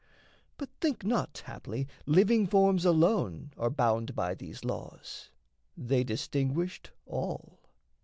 But think not, haply, living forms alone Are bound by these laws: they distinguished all.